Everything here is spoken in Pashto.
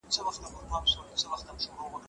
لارښود به د څېړني پرمختګ څاري.